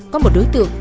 có một đối tượng